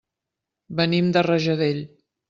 Venim de Rajadell.